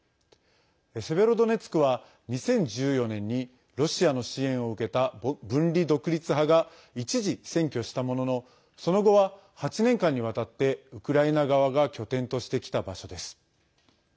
セベロドネツクは、２０１４年にロシアの支援を受けた分離独立派が一時占拠したもののその後は、８年間にわたってウクライナ側が拠点としてきた場所です。